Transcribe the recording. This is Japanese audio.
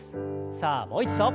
さあもう一度。